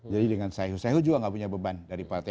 jadi dengan sae hoo sae hoo juga gak punya beban dari partai